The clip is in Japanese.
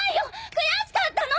悔しかったの！